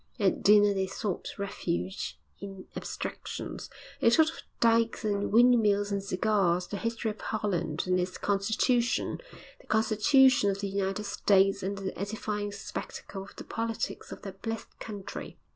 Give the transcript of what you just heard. At dinner they sought refuge in abstractions. They talked of dykes and windmills and cigars, the history of Holland and its constitution, the constitution of the United States and the edifying spectacle of the politics of that blessed country.